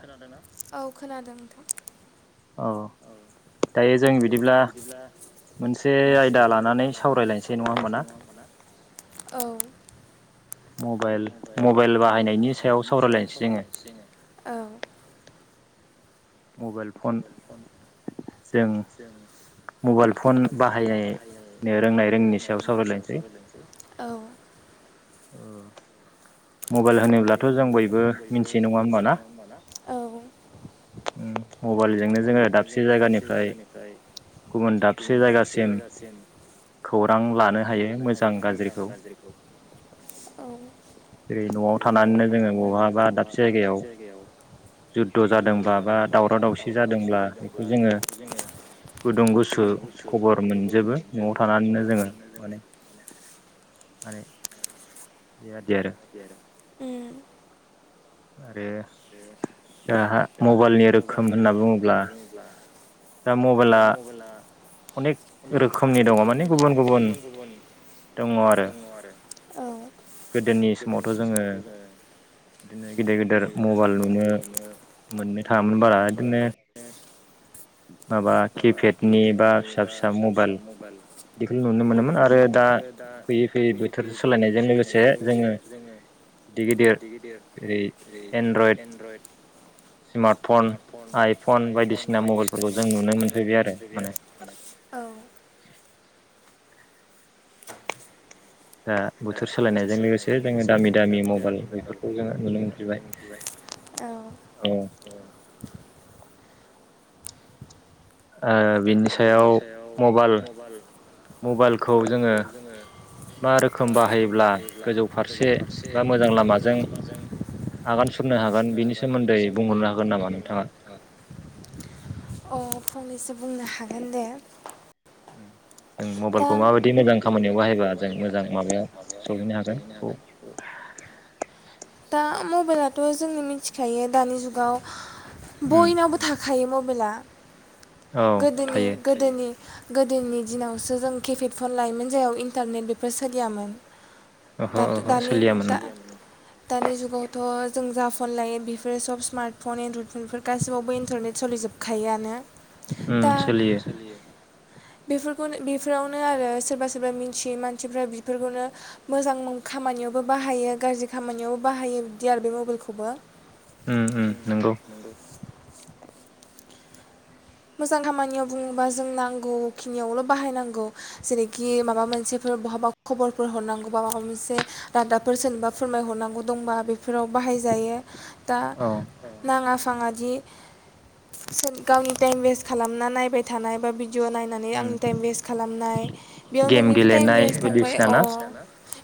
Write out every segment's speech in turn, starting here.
खोनादोंना औ खोनादों। औ दायो जों बिदिब्ला मोनसे आयदा लानानै सावरायलायनोसै नङा होनबा ना औ मबाइल मबाइल बाहायनायनि सायाव सावरायलायनोसै जोङो। औ मबाइल फन जों मबाइल फन बाहायनो रोंनाय रोङिनि सायाव सावरायलायनोसै ओ मबाइल होनोब्लाथ' जों बयबो मिनथियो नङा होनबा ना औ। मबाइलजोंनो जोङो दाबसे जायगानिफ्राय गुबुन दाबसे जायगासिम खौरां लानो हायो मोजां गाज्रिखौ। जेरै न'आव थानानैनो जोङो बहाबा दाबसे जायगायाव जुद्ध जादोंबा बा दावराव दावसि जादोंब्ला बेखौ जोङो गुदुं गुसु खबर मोनजोबो न'आव थानानैनो जोङो माने। माने बेबायदि आरो। उ। आ आरो दाहा मबाइलनि रोखोम होनना बुङोब्ला दा मबाइला अनेक रोखोमनि दङ माने गुबुन गुबुन दङ आरो गोदोनि समावथ' जोङो इदिनो गिदोर गिदोर म बिदिनो मोननो थाङामोन बारा इदिनो माबा किपेडनि बा फिसा फिसा मबाइल बेखौ नुनो मोनोमोन आरो दा फैयै फैयै बोथोर सोलायनायजों लोगोसे जोङो गिदिर गिदिर जेरै एनड्रइड स्मार्टफन आइफन बायदिसिना मबाइलफोरखौ जों नुनो मोन मोजां नुनो मोनफैबाय आरो औ। बोथोर सोलायनायजों लोगोसे जोङो दामि दामि मबाइल बेफोरखौ जोङो नुनो मोनफैबाय औ। ओ बिनि सायाव मबाइल मबाइलखौ जोङो मा रोखोम बाहायोब्ला गोजौ फारसे बा मोजां लामाजों आगान सुरनो हागोन बिनि सोमोन्दै बुंनो हागोन नामा नोंथाङा? अ फंनैसो बुंनो हागोन दे। उ। दा मबाइखौ माबायदि मोजां खामानियाव बाहायबा जों मोजां माबायाव सहैनो हागोन बेखौ दा मबाइलाथ' जोंनो मिथिखायो दानि जुगाव बयनावबो थाखायोमोन म बिला गोदोनि गोदोनि गोदोनि दिनावसो जों केफेड फन लायोमोन जेराव इन्टारनेट बेफोर सोलियामोन। दाथ दानि दा दानि जुगावथ' जों जा फन लायो बेफोर सब स्मार्ट फन एनड्रयड फनफोर गासिबावबो इन्टारनेट सोलिजोबखायोआनो। दा सोलियो। बेफोरखौनो बेफ बेफोरावनो आरो सोरबा सोरबा मिन्थियै मानसिफ्रा बेफोरखौनो, मोजां खामानियावबो बाहायो गाज्रि खामानियावबो बाहायो बिदि आरो बे मबाइलखौबो। उम उम नंगौ। मोजां खामानियाव बुङोबा जों नांगौखिनियावल' बाहायनांगौ। जेरैखि माबा मोनसेफोर बहाबा खबरफोर हरनांगौ बा माबा मोनसे रादाबफोर सोरनोबा फोरमाय हरनांगौ दंबा बे फोराव बाहायजायो दा नाङा फाङादि गावनि टाइम ववेस्ट खालामना नायबाय थानाय बा बि भडिअ' नायनानै आंनि टाइम वेस्ट खालामनाय बेयाव नोंनिबो टाइम वेस्ट थांबाय अ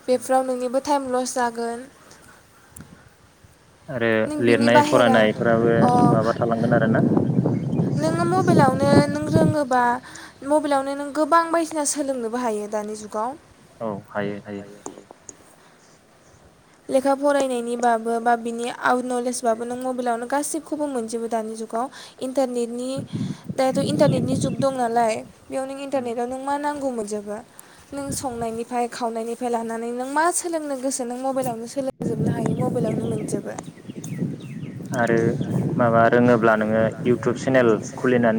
बेफोराव नोंनिबो टाइम लस जागोन। आरो लिरनाय फरायनायफोराबो माबा थालांगोन आरोना? बा मबाइलावनो नों गोबां बायदिसिना सोलोंनोबो हायो दानि जुगाव। औ हायो हायो। लेखा फरायनायनि बाबो बा बिनि आ नलेजबाबो नों मबाइलावनो गासिबखौबो मोनजोबो दानि जुगाव। दारनेनि जु दं नालाय बेयाव नों इारने नों मा नांगौ मोनजोबो नों संनायनिफ्राय खावनायनिफ्राय लानानै नों मा सोलोंनो गोस मबेलाव सोलों जोबनो हायो मबाइलावनो मोनजोबो आरो माबा रोङोब्ला इउथुब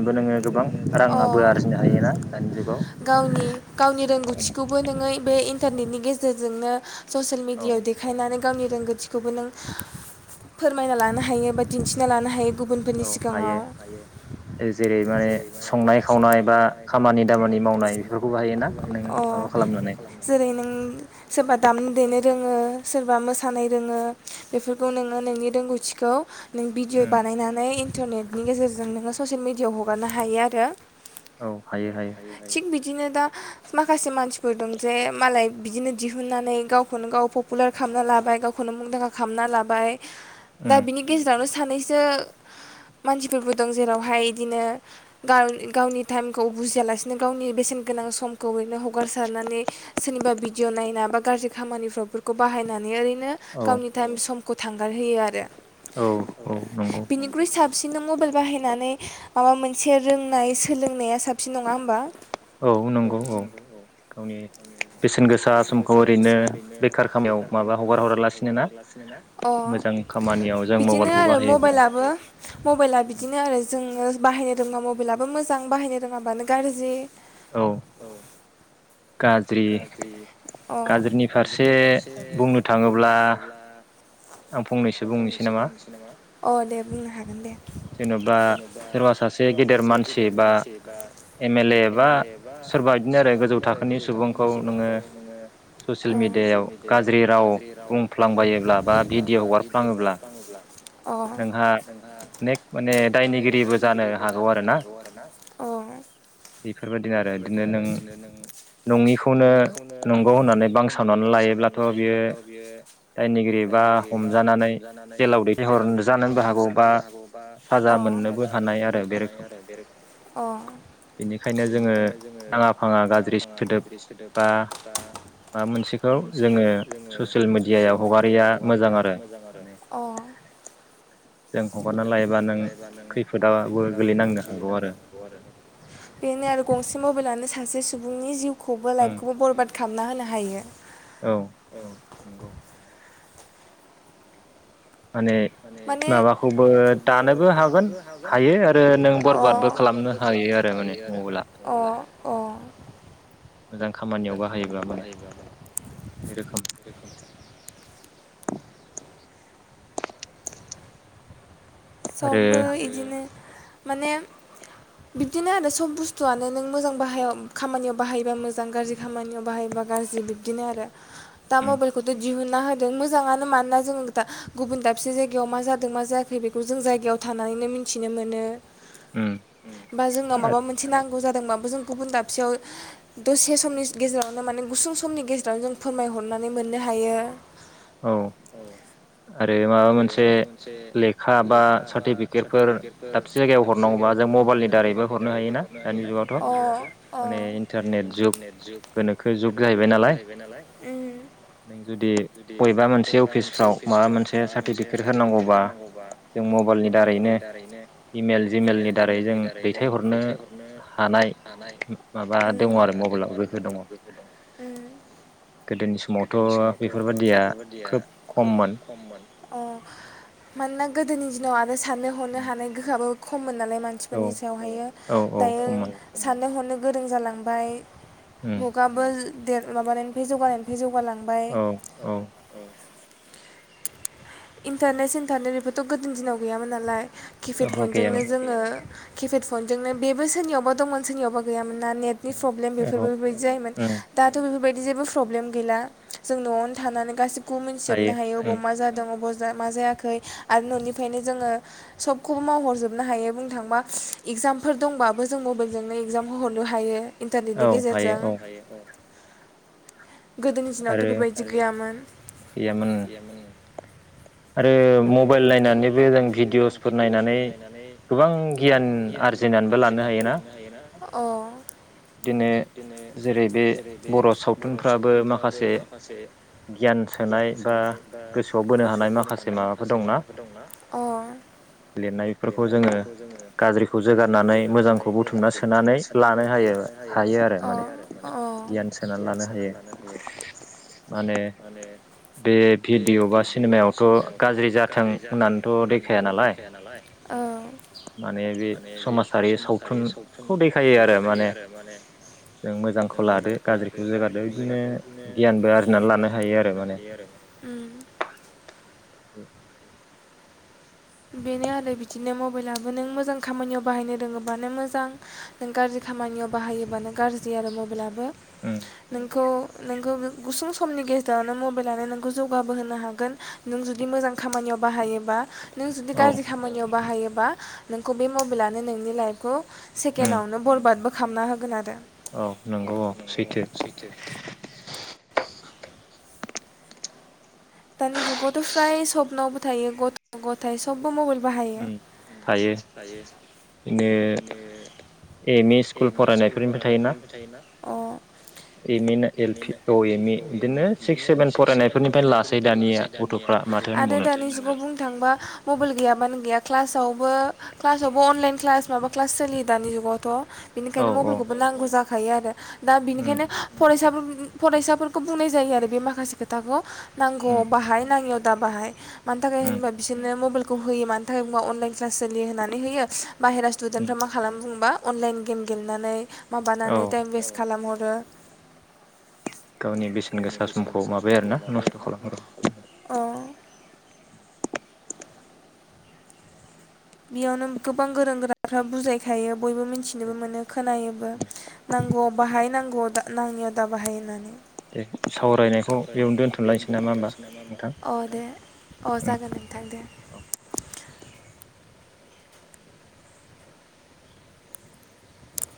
खुलिनानैबो नोङो जानो हायो अ राङाबो आरजिनो हायोना गावनि गावनि रोंग'थिखौबो नोङो बे इनतारनेटनि गेजेरजों बो स'सेल मिडियाआव देखाय नानै गावनि रोंगौथिखौबो नों फोरमायना लानो हायो बा दिन्थिना लानो हायो गुबुनफोरनि सिगाङाव जैंनाय खावनाया मावनाय जेरै नों सोरबा दामनो देनो रोङो सोरबा मोसानाय रोङो बेफोरखौ नोङो नोंनि रोंगौथिखौ नों भिडिय' बानायनानै इन्टारनेटनि गेजेरजों नोङो ससेयेल मिेडियाआव हगारनो हायो आरो औ हायो हायो थिग बिदिनो दा माखासे मानसिफोर दं जे मालाय बिदिनो दिहुननानै गावखौनो गाव कुलार खालामना लाबाय गावखौनो मुंदांखा खालामना लाबाय दा बिनि गेजेरावनो सानै जो मानसिफोरबो दं जेरावहाय बिदिनो गावनि टाइमखौ बुजियालासिनो गावनि बेसेन गोनां समखौ ओरैनो हगारसारनानै सोरनिबा भिडिअ' नायना बा गाज्रि खामानिफ्राव खौ बाहायनानै ओरैनो गावनि थाइम खौ थांहोयो आरो बेनिख्रुइाब साबसिनै मबाइल बाहायनानै माबा मोनसे रोंनाय सोलोंनाय साबफिन नङा होमबा औ नंगौ बेसेन गोसा समखौ ओरैनो अ बिदिनो आरो मब मबाइला बिदिनो आरो जों आङो बाहायनो रोङा मबाइलाबो मोजां बाहायनो रोङाबानो गाज्रि औ गाज्रि गाज्रिनि फारसे नि फारसे बुंनो थाङोब्ला आं फंनैसो बुंनोसै नामा अ दे बुंनो हागोन दे जेनेबा सोरबा सासे गेदेर मानसि बा एम एल ए बा सोरबा बिदिनो आरो गोजौ थाखोनि सुबुंखौ नोङो ओ याव गाज्रि राव बुंफ्लांबायोब्ला बा भिडिय' हगारफ्लाङोब्ला ओ नोंहा माने दायनिगिरिबो जानो हागौ आरोना ओ बेफोरबायदिनो आरो बिदिनो नों नङिखौनो नंगौ होननानै बांसावनानै लायोब्लाथ' बियो दायनिगिरि बा हमजानानै जेलाव दै बेहरजानोबो हागौ बा साजा मोननोबो हानाय आरो ओ बेनिखायनो जोङो फाङा फाङा गाज्रि सोदोब बा माबा मोनसेखौ जोङो ससियेल मेडियायाव हगारिया मोजां आरो ओ जों हगारना लायोबा नों खैफोदाबो गोलैनांनो हागौ आरो बेनो आरो गंसे मबेलानो सा से सुबुंनि जिउ खौबो लाइफखौबो बरबाद खालामना होनो हा हायो औ औ नंगौ माने माने माबाखौबो दानोबो हागोन हायो आरो अ आरो बरबाद बो खालामनो हायो आरो माने अ अ मोजां खामानियाव बाहायोब्ला माने बे रोखोम सबबो इदिनो माने बिबदिनो आरो सब बुस्थुआनो नों मोजां बाहाया खामानियाव बाहायबा मोज जां गाज्रि खामानियाव बाहाय बा गाज्रि बिबदिनो आरो दा मबेलखौथ' दिहुनना होदों मोजाङानो मानोना जोंङो दा गुबुन दाबसे जायगायाव मा जादों मा जायाखै बे खौ जों जायगायाव थानानैनो मिनथिनो मोनो ओ बा जोंनो माबा मोनसे नां गौ जादोंबाबो जों गुबुन दाबसेयाव दसे समनि गेजेरावनो माने गुसुं समनि गेजेरावनो जों फोरमायहरनानै मोननो हायो। औ आरो माबा मोनसे लेखा लेखा बा सारटिफिकिटफोर दाबसे जायगायाव हरनांगौबा जों मबेलनि दारैबो हरनो हायोना अ अ माने इन्टारनेट जुग गोनोखो जुग जाहैबाय नालाय उम जुदि बबेबा मोनसे अफिसफ्राव माबा मोनसे सारटिफिकिट होनांगौबा जों मबाइलनि दारैनो इमेल जिमेलनि दारै जों दैथायहरनो हानाय माबा दङ आरो मबाइलाव बेफोर दङ गोदोनि समावथ' बेफोरबाद बेफोरबायदिया खोब खममोन अ मानोना गोदोनि दिनाव आ आरो साननो हनो हानाय गोहोआबो मोन नालाय मानसिफोरनि सायावहायो दायो साननो हनो गोरों जालांबाय मुगाबो देर माबानायनिफ्राय जौगानायनिफ्राय जौ गालांबाय इन्टारनेट सिन्टारनेट बेफोरथ' गोदोनि दिनाव गैयामोन नालाय। किपेड फनजोंनो जोङो खिफेद फनजोंनो बेबो सोरनियावबा दंमोन सोरनियावबा गैयामोन। ना नेटनि प्रब्लेम बेफोरबो बेबायदि जायोमोन दाथ' बेफोर बाय जेबो फ्रब्लेम गैला जों न'आवनो थानानै गासिबो खौ मिथिजोबनो हायो अबाव मा जादों अबा [unintelligible] मा जायाखै आरो न'निफ्रायनो जोङो सबखौबो मावहरजोबनो हायो बुंनो थाङोबा इगजामफोर दंबाबो जों मबाइलजोंनो इगजामखौ हरनो हायो। इन्टारनेटनि गेजेरजों गोदोनि दिनावथ' बेफोरबायदि गैयामोन। आरो मबाइल नायनानैबो जों भिडिअ'सफोर नायनानै गोबां गियान आरजिनानैबो लानो हायो ना? । अ दिनै जेरै बे बर' सावथुनफ्राबो माखासे गियान सोनाय बा गोसोआवबो गोसोआव बोनो हानाय माखासे माबाफोर दंना लिरनायफोरखौ जोङो गाज्रिखौ जोगारनानै मोजांखौ बुथुमना सोनानै लानो हायो आरो माने गियान सोनानै लानो हायो । माने बे भिडिय' भिडिय' बा सिनेमायावथ' गाज्रि जाथों होननानैथ' देखाया नालाय माने बे समाजारि सावथुनखौ देखायो आरो माने जों मोजांखौ लादो गाज्रिखौ जोगारदो बिदिनो गियानबो आरजिनानै लानो हायो आरो बेे बेनो आरो बिदिनो मबाइलाबो नों मोजां खामानियाव बाहायनो रोङोबानो मोजां नों गाज्रि खामानियाव बाहायोबानो गाज्रि आरो मबाइलाबो। नोंखौ- नोंखौ बे गुसुं समनि गेजेरावनो मबाइलानो नोंखौ जौगाबो होनो हागोन नों जुदि मोजां खामानियाव बाहायोबा। नों जुदि गाज्रि खामानियाव बाहायो बा नोंखौ बे मबाइलानो नोंनि लाइफखौ सेकेन्दआवनो बरबादबो खामना होगोन आरो औ नंगौ औ सैथो। दानि जुगावथ' फ्राय सबनावबो थायो गथ' गथाय सबबो मबाइल बाहायो दायो माने एम इ स्कुल फरानायफोरनावबो थायो ना औ। [inaudible] आरो दानि जुगाव बुंनो थांबा मबाइल गैयाबानो गैया क्लासावबो क्लासावबो अनलाइन क्लास माबा क्लास सोलियो दानि जुगावथ' । बेनिखायनो मबाइलखौबो नांगौ जा खायो आरो। दा बिनिखायनो फरायसाफोर फरायसाफोरखौ बुंनाय जायो आरो बे माखासे खोथाखौ। नांगौआव बाहाय नाङियाव दा बाहाय। मानि थाखाय होनबा बिसोरनो मबाइल [unintelligible] मानो थाखाय बुंबा अनलाइन क्लास सोलियो होननानै होयो बाहेरा स्टुदेन्टफ्रा मा खालामो होमबा अनलाइन गेम गेलेनानै माबानानै टाइम वेस्ट [unintelligible] [unintelligible] गावनि बेसेन गोसा समखौ माबायो आरो ना नस्थ खालामो अ बेयावनो गोबां गोरों गोराफ्रा बुजायखायो बयबो मिथिनोबो मोनो खोनायोबो नांगौआव बाहाय नां नाङैआव दा बाहाय होननानै सावरायनायखौ बेयावनो दोनथलायनोसै नामा होमबा अ दे अ जागोन नोंथां दे